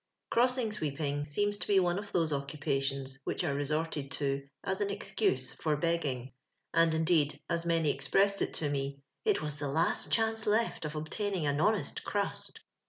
Crossing sweeping seems to be one of those occupations which are resorted to as an excuse for begging; and, indeed, as many expressed it to mo, it was the last chance loft of obtaining on honest crust."